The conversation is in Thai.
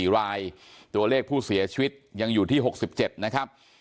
๔รายตัวเลขผู้เสียชีวิตยังอยู่ที่๖๗นะครับ